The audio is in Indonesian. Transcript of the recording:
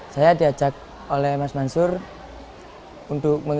saya diajak oleh mas mansur untuk